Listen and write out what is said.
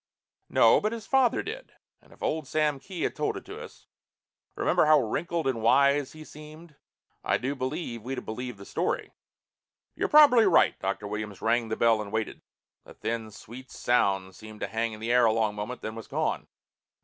"No, but his father did. And if old Sam Kee had told it to us remember how wrinkled and wise he seemed? I do believe we'd have believed the story." "You're probably right." Dr. Williams rang the bell and waited. The thin, sweet sound seemed to hang in the air a long moment, then was gone.